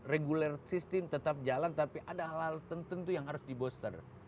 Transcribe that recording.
reguler sistem tetap jalan tapi ada hal hal tertentu yang harus di boster